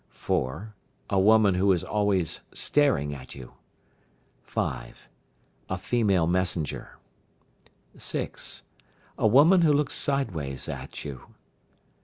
4. A woman who is always staring at you. 5. A female messenger. 6. A woman who looks sideways at you.